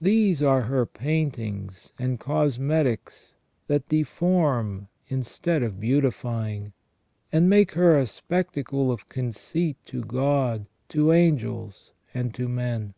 These are her paintings and cosmetics that deform instead of beautify ing, and make her a spectacle of conceit to God, to angels, and to men.